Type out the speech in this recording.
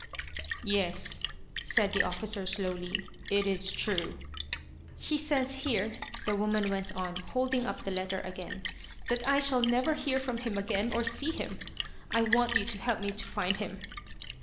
"Yes," said the officer slowly. "It is true." "He says here," the woman went on, holding up the letter again, "that I shall never hear from him again, or see him. I want you to help me to find him."